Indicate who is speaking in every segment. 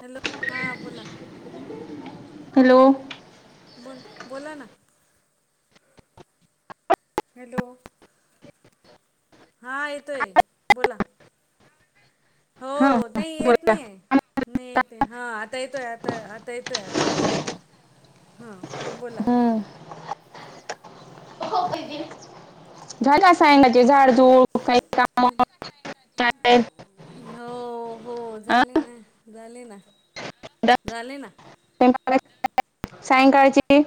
Speaker 1: Hello हां बोला?
Speaker 2: Hello.
Speaker 1: बोल बोला नां. हॅलो. हां येतोय बोला.
Speaker 2: हा
Speaker 1: हों
Speaker 2: हा.
Speaker 1: नायी येत
Speaker 2: बोला
Speaker 1: नाहीयं नयी
Speaker 2: हम्म
Speaker 1: येते हां आता येतोय आता आता येतोय आता येतोय हां बोला?
Speaker 2: [inaudible] झाड कसयं ना ते झाड जुड
Speaker 1: म्हंजे कसाय का [inaudible]
Speaker 2: काय?
Speaker 1: नायी हों हों झाले नां झाले नां झाले नां
Speaker 2: सायंकाळची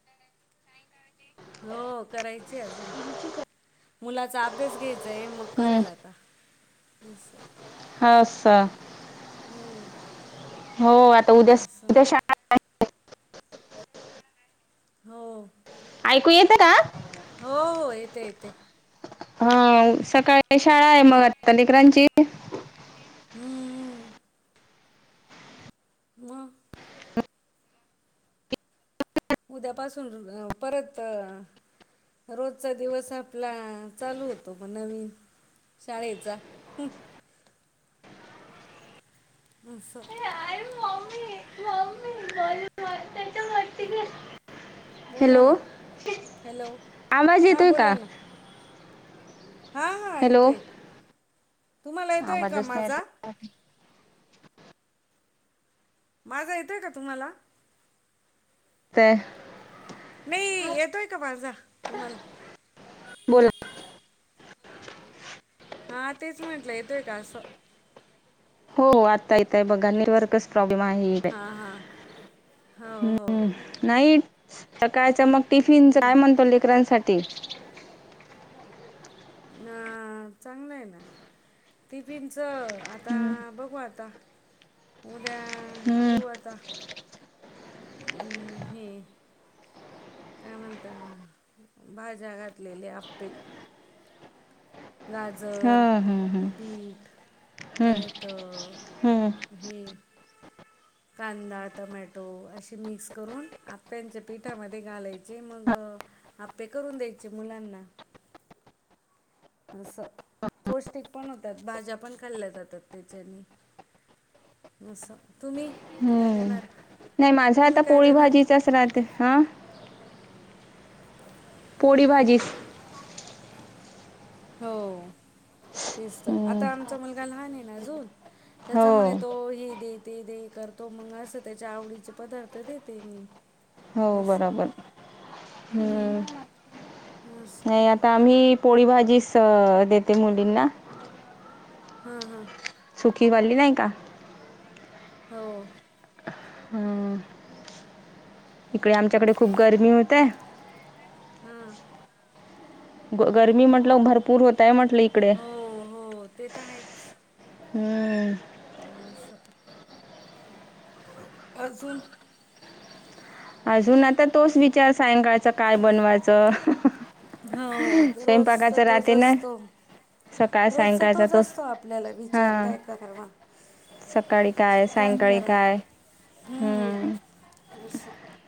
Speaker 1: हों करायचीयं अजून मुलांचा अभ्यास घ्येयचाय मग
Speaker 2: हम्म
Speaker 1: करेल आता असं.
Speaker 2: ह सा
Speaker 1: हों
Speaker 2: हों आता उद्या उद्या शाळा
Speaker 1: हों.
Speaker 2: आयकू येतं का?
Speaker 1: हों हों येतेयं येतयं.
Speaker 2: हां सकाळी शाळायं, म आत्ता लेकरांची.
Speaker 1: हुं. मं उद्यापासून र परत रोजचां दिवस आपला चालू होतो म नवीन. शाळेचा [inaudible] अशं बोला
Speaker 2: हॅलो
Speaker 1: ना हॅलो
Speaker 2: आवाज
Speaker 1: हां
Speaker 2: येतोयं
Speaker 1: बोला
Speaker 2: का?
Speaker 1: ना हां हां
Speaker 2: हॅलो
Speaker 1: येतोय, तुम्हाला येतोय का
Speaker 2: आवाजच
Speaker 1: माझा?
Speaker 2: [inaudible]
Speaker 1: माझा येतोय का तुम्हाला?
Speaker 2: तें
Speaker 1: नयी येतोयं का माझा तुम्हाला?
Speaker 2: बोला.
Speaker 1: हां तेच म्हंटलं येतोयं का असं?
Speaker 2: हों आत्ता येतयं बघा निवर्कस प्रोब्लेम आहे काय?
Speaker 1: हां हां हो हो
Speaker 2: हुं.
Speaker 1: हो.
Speaker 2: नाईटस् सकाळच मग, टिफिनच काय म्हणतो लेकरांसाठी?
Speaker 1: आं चांगलंयं ना टिफिनच आता बघू आता उद्या
Speaker 2: हम्म
Speaker 1: देऊ आता. उ हे काय म्हणतात,, भाज्या घातलेले आप्पे. गाजर,
Speaker 2: हां हां हां
Speaker 1: बीट
Speaker 2: हं
Speaker 1: परत
Speaker 2: हं
Speaker 1: हे कांदा टमॅटो असे मिक्स करून, आप्यांच्या पिठामध्ये घालायचे, मंग आप्पे करून द्यायचे मुलांना. असं पौष्टिक पण होतात, भाज्या पण खाल्ल्या जातात त्याच्याने. नसं, तुम्ही काय
Speaker 2: हं.
Speaker 1: देणार?
Speaker 2: नाही माझा
Speaker 1: तुम्ही
Speaker 2: आता
Speaker 1: काय
Speaker 2: पोळी
Speaker 1: देणार आहे
Speaker 2: भाजीचाच राहते., हा. पोडी भाजीस
Speaker 1: हो तेच तर,
Speaker 2: हं.
Speaker 1: आता आमचा मुलगा लहान आहे ना अजून.
Speaker 2: हो
Speaker 1: त्याचामुळे तो हे दे ते दे करतो मग, असं त्याच्या आवडीचे पदार्थ देते मी.
Speaker 2: हो
Speaker 1: असं
Speaker 2: बरोबर,, म,
Speaker 1: हम्म, असं
Speaker 2: नाही आता मी पोळी भाजीस देते मुलींना
Speaker 1: हां हां.
Speaker 2: सुखीवाली नाही का.
Speaker 1: हो.
Speaker 2: हम्म. इकडे आमच्याकडे खूप गर्मी होतय.
Speaker 1: हम्म.
Speaker 2: गरमी म्हटलं भरपूर होतय म्हटलं इक
Speaker 1: हो हो ते तर आहेच.
Speaker 2: हम्म.
Speaker 1: नसत [unintelligible] अजून
Speaker 2: अजून आता तोच विचार सायंकाळचं काय बनवायचं?
Speaker 1: हो रोज
Speaker 2: स्वयंपाकाचं
Speaker 1: तोज
Speaker 2: राहते ना
Speaker 1: असतो.
Speaker 2: सकाळ
Speaker 1: रोजचा
Speaker 2: सायंकाळचा
Speaker 1: तोच असतो आपल्याला विचार
Speaker 2: हां
Speaker 1: काय करावा.
Speaker 2: सकाळी काय सायंकाळी काय,, हम्म.
Speaker 1: ह स [unintelligible]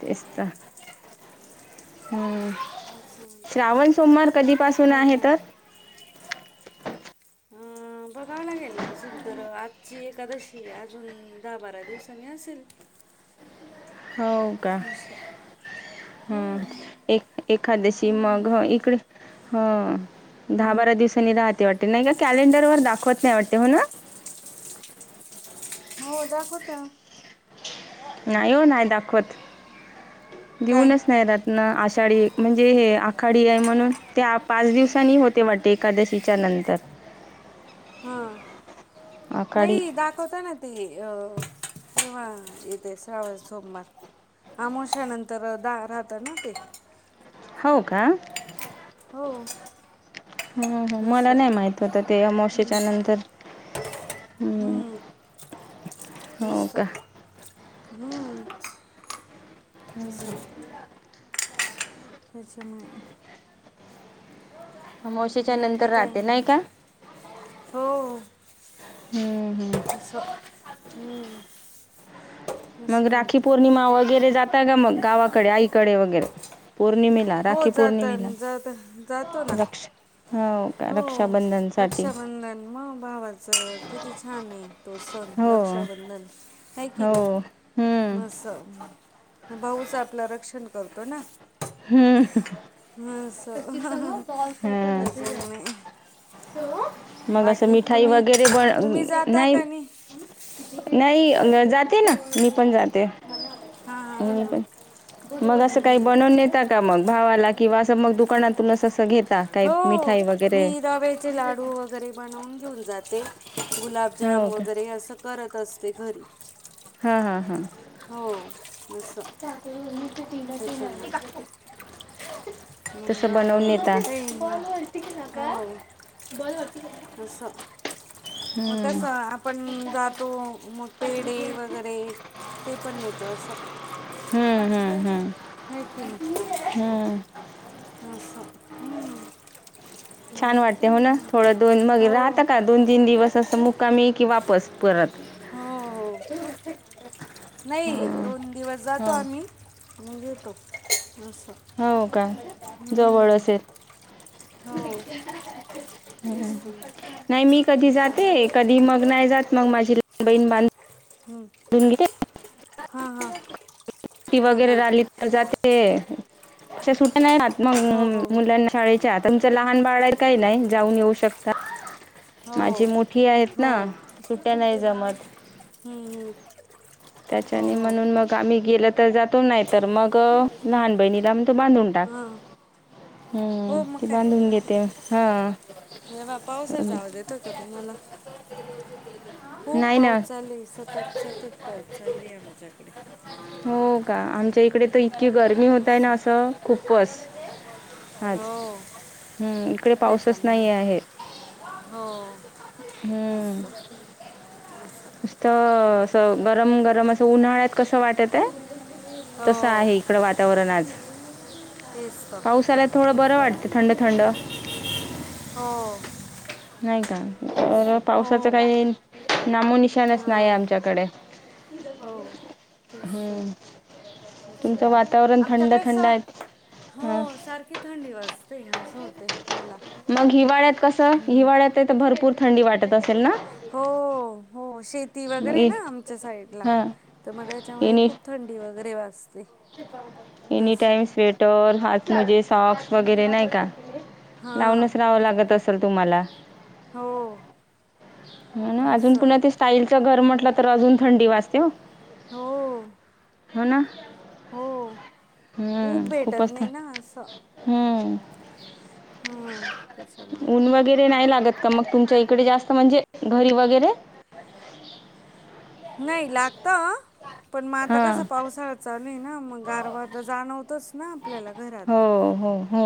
Speaker 2: तेस्त तर, हम्म.
Speaker 1: असं म्हणते
Speaker 2: श्रावण सोमवार कधीपासून आहेत?
Speaker 1: हं बघावं लागेल, अजून तर आजची एकादशी अजून दहा बारा दिवसांनी असेल.
Speaker 2: हो
Speaker 1: नसं
Speaker 2: अ एक एखाद्याशी
Speaker 1: हम्म.
Speaker 2: मग, इकडे दहा बारा दिवस राहते वाटते, नाही गं कॅलेंडरवर दाखवत नाही वाटते हो ना.
Speaker 1: हो दाखवता.
Speaker 2: नाही हो नाही दाखवत,
Speaker 1: काय
Speaker 2: देऊनच नाही राहतं. न आषाढी, म्हणजे हे आखाडी आहे म्हणून, ते पाच दिवसांनी होते वाटते एकादशीच्या नंतर.
Speaker 1: हा,,
Speaker 2: आखाडी
Speaker 1: नाही दाखवता ना ते अ किवा यथे श्रावण सोमवार. आमोश्याानंतर द राहतं ना ते
Speaker 2: हो का.
Speaker 1: हो.
Speaker 2: ह मला
Speaker 1: असं
Speaker 2: नाही माहित होतं ते अमावस्येच्या नंतर हं.
Speaker 1: हूं... तेच
Speaker 2: हो का?
Speaker 1: तर. हूं....
Speaker 2: ह...
Speaker 1: [unintelligible]
Speaker 2: अमावस्येच्या
Speaker 1: बाकी
Speaker 2: नंतर
Speaker 1: काय
Speaker 2: राहते नाही काय?
Speaker 1: हो
Speaker 2: हं....
Speaker 1: असं.. हं..
Speaker 2: मग राखी पौर्णिमा वगैरे जाताय का मग गावाकडे आईकडे? वगैरे पौर्णिमे ला
Speaker 1: हो
Speaker 2: राखी
Speaker 1: जात
Speaker 2: पौर्णिमेला..
Speaker 1: जात जातो ना
Speaker 2: रक्षा
Speaker 1: हो रक्षाबंधन मग भावाचं किती छान आहे तो सण रक्षा
Speaker 2: हो
Speaker 1: रक्षा बंधन हे की
Speaker 2: हो हम्म
Speaker 1: नाही. असं भाऊच आपलं रक्षण करतो ना.
Speaker 2: हं...
Speaker 1: असं
Speaker 2: हा...
Speaker 1: त्याच्यामुळे
Speaker 2: मग असं
Speaker 1: बाकी
Speaker 2: मिठाई
Speaker 1: तुम्ही
Speaker 2: वगैरे
Speaker 1: तुम्ही जाता
Speaker 2: बन--नाही.
Speaker 1: का नाही
Speaker 2: नाही जाते ना, मी पण जाते.
Speaker 1: हां हां हां
Speaker 2: मी
Speaker 1: हां
Speaker 2: पण, मग
Speaker 1: हम्म.
Speaker 2: असं काही बनवून नेत ता का मग भावाला किंवा असं मग दुकानातून असं असं घेता? काही
Speaker 1: हो
Speaker 2: मिठाई
Speaker 1: मी
Speaker 2: वगैरे
Speaker 1: रव्याचे लाडू वगैरे बनवून घेऊन जाते. गुलाबजाम
Speaker 2: हो का
Speaker 1: वगैरे हे असं करत असते घरी.
Speaker 2: हा.. हा.. हा..
Speaker 1: हो. असं
Speaker 2: [unintelligible]
Speaker 1: मंग
Speaker 2: बनवून नेता
Speaker 1: काहीं नाही हो असं म
Speaker 2: हम्म
Speaker 1: कसं आपण जातो मग पेढे वगैरे ते पण नेतो असं,
Speaker 2: हम्म
Speaker 1: है की नही.
Speaker 2: हं...
Speaker 1: अस्स हं
Speaker 2: छान वाटते हो ना? थोडं दोन मग राहतां का दोन -तीन दिवस असं मुक्कामी की वापस परत.
Speaker 1: हो हो. नाही
Speaker 2: हां
Speaker 1: दोन दिवस जातो आम्ही,
Speaker 2: हां
Speaker 1: मग येतो असं.
Speaker 2: हो का जवळ
Speaker 1: हुं
Speaker 2: असेल
Speaker 1: हो तेच त
Speaker 2: नाही मी कधी जाते
Speaker 1: असं
Speaker 2: कधी मग नाही जात मग माझी लहाण बहिण बांध
Speaker 1: हं...
Speaker 2: धुन घेते.
Speaker 1: हा, हा.
Speaker 2: ट्टी वगैरे राहिली तर जाते, असे सुट्टी नाही राहत
Speaker 1: हो
Speaker 2: मग
Speaker 1: हो
Speaker 2: मुलांना शाळे त्यात तुमचं लहान बाळ आहे, काही नाही जाऊन येऊ शकता.
Speaker 1: हो हो
Speaker 2: माझी मोठी आहेत ना,
Speaker 1: हो
Speaker 2: सुट्या नाही जमत.
Speaker 1: हु.. हुं..
Speaker 2: त्याच्याने म्हणून मग आम्ही गेलं तर जातो, नाहीतर मग लहान बहिणीला म्हणतो बांधून टाक.
Speaker 1: हां
Speaker 2: हं..
Speaker 1: हो
Speaker 2: ती बांधून देते हा.
Speaker 1: हे पहा पावसाचा आवाज येतोय का तुम्हाला? खूप
Speaker 2: नाही
Speaker 1: पाऊस
Speaker 2: ना.
Speaker 1: चालूय, सतत सतत पाऊस चालूय आमच्याकडे.
Speaker 2: हो का, आमच्या इकडे तर इतकी गरमी होतंय ना असं खूपस, हाच
Speaker 1: हो
Speaker 2: हम् इकडे पाऊसच
Speaker 1: त्याच्यामुळे
Speaker 2: नाही आहे.
Speaker 1: हो, [unintelligible]
Speaker 2: स्त असं, गरम गरम असं उन्हाळ्यात कसं वाटतंय तसं
Speaker 1: हो
Speaker 2: आहे. त्र वातावरण आज
Speaker 1: तेच तर.
Speaker 2: पाऊस आला, थोडं बरं
Speaker 1: असं
Speaker 2: वाटत थंड थंड.
Speaker 1: हो
Speaker 2: नाही का,
Speaker 1: तेच
Speaker 2: तर पावसाच
Speaker 1: हो
Speaker 2: काही नामोनिशाण [unintelligible] नाहीये
Speaker 1: हां
Speaker 2: आमच्याकडे.
Speaker 1: हो, तेच तं
Speaker 2: हम्म. तुमचं
Speaker 1: त्याच्यामुळे,
Speaker 2: वातावरण थंड
Speaker 1: आमच्याकडे
Speaker 2: थंड
Speaker 1: सं,
Speaker 2: आहे हां
Speaker 1: हो सर इतकी थंडी वाजते असं होतंय, मला.
Speaker 2: मग हिवाळ्यात कसं? हिवाळ्यातये तर भरपूर थंडी वाटत असेल ना?
Speaker 1: हो हो, शेती
Speaker 2: मग
Speaker 1: वगैरे
Speaker 2: इ
Speaker 1: ना आमच्या साईडला,
Speaker 2: हां
Speaker 1: तर मग याच्यामुळे खूप थंडी वगैरे वाजते.
Speaker 2: एनीटाइम
Speaker 1: असं
Speaker 2: स्वेटर, हात मोजे, सॉक्स वगैरे नाही का.
Speaker 1: हां
Speaker 2: लावूनच राहावं लागत असल तुम्हाला.
Speaker 1: हो
Speaker 2: ना अजून
Speaker 1: असं
Speaker 2: पुन्हा ते स्टाईलचं घर म्हटलं तर अजून थंडी वाजतेहो
Speaker 1: हो
Speaker 2: हो ना
Speaker 1: हो ऊब
Speaker 2: हम्म,
Speaker 1: भेटत
Speaker 2: खूपच
Speaker 1: नाही
Speaker 2: थन
Speaker 1: ना असं
Speaker 2: हम्म
Speaker 1: हां त्याच्यामुळे
Speaker 2: ऊन वगैरे नाही लागत तर मग तुमच्या इकडे जास्त म्हणजे, घरी वगैरे
Speaker 1: नाही लागतं, पण मग आता कसं
Speaker 2: हां
Speaker 1: पावसाळ्यात चालू आहे ना मग गारवा तर जाणवतच ना आपल्याला घरात.
Speaker 2: हो हो हो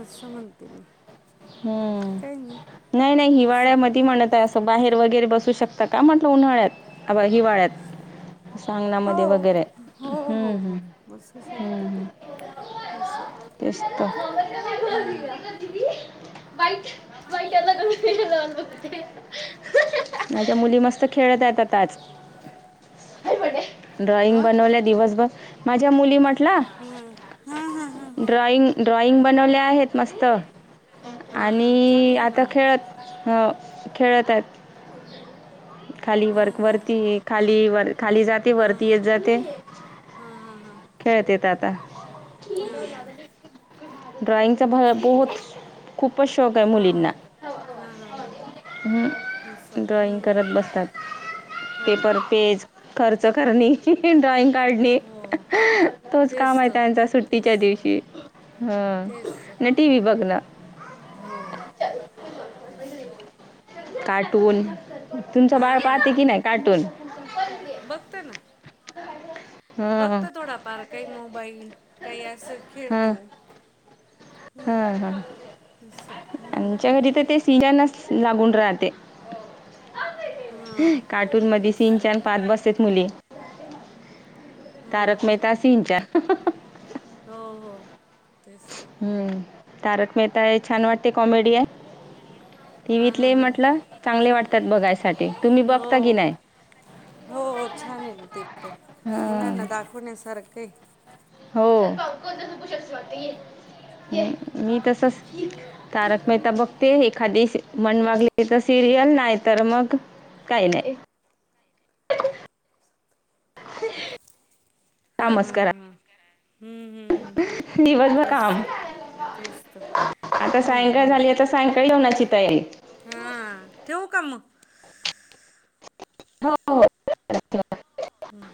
Speaker 1: असं म्हणते मी. बाकी
Speaker 2: हम्म,
Speaker 1: काही
Speaker 2: नाही नाही
Speaker 1: असं
Speaker 2: हिवाळ्यामध्ये म्हणत असं ते बाहेर वगैरे बसू शकता का म्हटलं उन्हाळ्यात, हिवाळ्यात सांगण्यामध्ये
Speaker 1: हो
Speaker 2: वैगरे,
Speaker 1: हो हो
Speaker 2: हम्म
Speaker 1: हो बसू
Speaker 2: हम्म
Speaker 1: शकतं
Speaker 2: हम्
Speaker 1: ते
Speaker 2: तेच तर
Speaker 1: हा
Speaker 2: [unintelligible] माझ्या मुली मस्त खेळत आहेत आता आज ड्रॉइंग
Speaker 1: हां
Speaker 2: बनवल्या दिवसभर, माझ्या मुली कुठला,
Speaker 1: हां हां
Speaker 2: ड्रॉइंग ड्रॉइंग बनवल्या आहेत मस्त
Speaker 1: हां हां
Speaker 2: आणि
Speaker 1: चांगलं आहे ना
Speaker 2: आता
Speaker 1: हो.
Speaker 2: खेळत अ खेळत आहेत. खाली वर
Speaker 1: हां
Speaker 2: वरती खाली वर खाली जात ते वरती
Speaker 1: हां
Speaker 2: येत जाते,
Speaker 1: हां हां
Speaker 2: खेळतेेत आता.
Speaker 1: हां हां
Speaker 2: ड्रॉइंगचा बहुत, खूपच शौक आहे
Speaker 1: हां हां
Speaker 2: मुलींना
Speaker 1: हां हां हां हां
Speaker 2: हूं,
Speaker 1: असं
Speaker 2: ड्रॉईंग
Speaker 1: हं.
Speaker 2: करत बसत्यात.
Speaker 1: हो हो
Speaker 2: पेपर पेज, खर्च करणे ड्रॉइंग काढणे,
Speaker 1: हो
Speaker 2: तोच काम
Speaker 1: तेच
Speaker 2: आहे
Speaker 1: तर
Speaker 2: त्यांचा
Speaker 1: तेच
Speaker 2: सुट्टीच्या
Speaker 1: तर
Speaker 2: दिवशी हा,
Speaker 1: तेच तर
Speaker 2: नाही टिव्ही बघणं
Speaker 1: हो तेच तर
Speaker 2: कार्टून तुमचं बाळ
Speaker 1: हां
Speaker 2: पाहते की नाही कार्टून हां
Speaker 1: बघत थोडा पार काही मोबाईल काही असं खेळतो. [unintelligible]
Speaker 2: हा हा
Speaker 1: असं हम्म.
Speaker 2: आमच्या घरी तर ते सीजनच लागून राहते.
Speaker 1: हां
Speaker 2: कार्टूनमध्ये
Speaker 1: तेच तर
Speaker 2: सिंचान पाहत बसत्यात मुली.
Speaker 1: हो
Speaker 2: तारक
Speaker 1: हो
Speaker 2: मेहता सीनच्यांन
Speaker 1: हो हो तेच तर
Speaker 2: हम्म तारक मेहता हे छान वाटते कॉमेडी हाय.
Speaker 1: हां हां
Speaker 2: टीव्हीतले
Speaker 1: हां
Speaker 2: म्हंटल चांगले वाटतात बघायसाठी तुम्ही बगता की
Speaker 1: हो
Speaker 2: नाय.
Speaker 1: हो हो छान आहे ना ते पण
Speaker 2: हां.
Speaker 1: मुलानां दाखवण्यासारखं ये.
Speaker 2: हो मी तसच तारक मेहता बघते एखादी मन वागली तर सिरियल नाही तर मग. काही नाही
Speaker 1: हम
Speaker 2: काम च करा.
Speaker 1: हम्म हम्
Speaker 2: दिवस भर काम.
Speaker 1: तेच तर
Speaker 2: आता
Speaker 1: हो ना
Speaker 2: सायंकाळ
Speaker 1: हो ना
Speaker 2: झाली आता सायंकाळ जेवणाची तयारी.
Speaker 1: हां ठेवू का म.
Speaker 2: हो हो
Speaker 1: हम्म